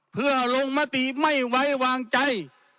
เพื่อลงมติไม่ไว้วางใจ